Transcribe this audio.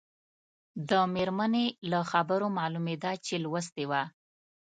د مېرمنې له خبرو معلومېده چې لوستې وه.